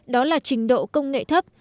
đó là trình độ công nghệ thấp